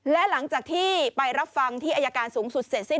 และหลังจากที่ไปรับฟังที่อายการสูงสุดเสร็จสิ้น